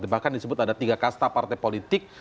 bahkan disebut ada tiga kasta partai politik